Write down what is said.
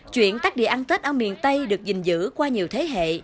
chuyện tác đìa ăn tết ở miền tây được dình dữ qua nhiều thế hệ